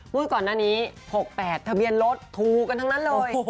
ก่อนหน้านี้๖๘ทะเบียนรถทูกันทั้งนั้นเลย